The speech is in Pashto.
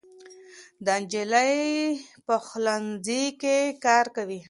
دا نجلۍ په پخلنځي کې کار کوي.